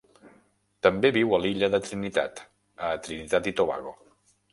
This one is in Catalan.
També viu a l'illa de Trinitat, a Trinitat i Tobago.